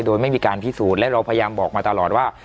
โดยไม่มีการพิสูจน์และเราพยายามบอกมาตลอดว่า